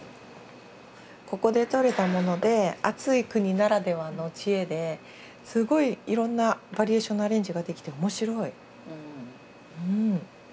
ここでとれたもので暑い国ならではの知恵ですごいいろんなバリエーションのアレンジができて面白い。